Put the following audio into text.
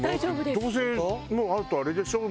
どうせもうあとあれでしょ？